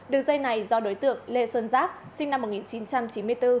đường dây này do đối tượng lê xuân giáp sinh năm một nghìn chín trăm chín mươi bốn